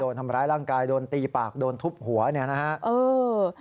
โดนทำร้ายร่างกายโดนตีปากโดนทุบหัวนะครับ